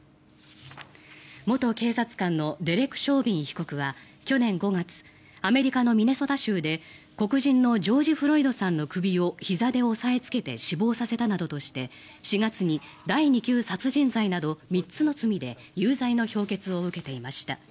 元警察官のデレク・ショービン被告は去年５月アメリカのミネソタ州で黒人のジョージ・フロイドさんの首をひざで押さえつけて死亡させたなどとして４月に第２級殺人罪など３つの罪で有罪の評決を受けていました。